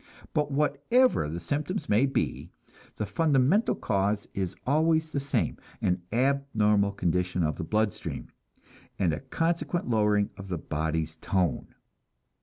But whatever the symptoms may be, the fundamental cause is always the same, an abnormal condition of the blood stream, and a consequent lowering of the body's tone.